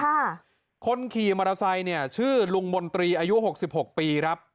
คนขี่มอเตอร์ไซค์เนี่ยชื่อลุงมนตรีอายุหกสิบหกปีครับ